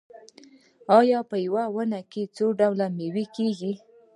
آیا په یوه ونه څو ډوله میوه کیږي؟